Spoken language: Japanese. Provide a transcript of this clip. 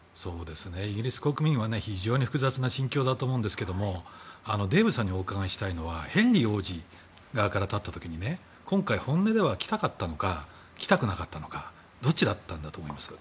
イギリス国民は非常に複雑な心境だと思いますがデーブさんにお伺いしたいのはヘンリー王子側から立った時に今回、本音では来たかったのか来たくなかったのかどっちだったんだと思いますか。